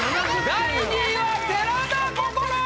第２位は寺田心！